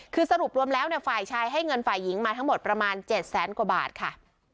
คือสรุปรวมแล้วฝ่ายชายให้เงินฝ่ายหญิงมาทั้งหมดประมาณ๗แสนกว่าบาทค่ะ